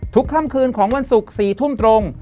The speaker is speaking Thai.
ค่ำคืนของวันศุกร์๔ทุ่มตรง